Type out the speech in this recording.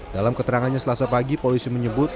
dalam keterangannya selasa pagi polisi menyebut